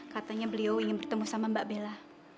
katanya beliau ingin bertemu sama mbak bella